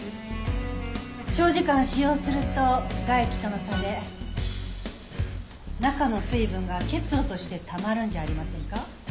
長時間使用すると外気との差で中の水分が結露としてたまるんじゃありませんか？